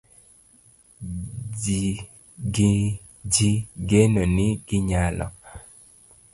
Gi geno ni ginyalo